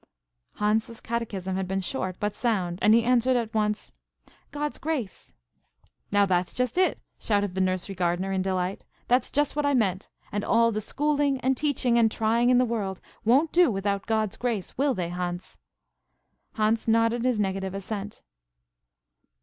Hans' catechism had been short, but sound; and he answered at once, "God's grace." "Now that's just it!" shouted the nursery gardener, in delight. "That's just what I meant. And all the schooling, and teaching, and trying in the world won't do without God's grace, will they, Hans?" Hans nodded his negative assent.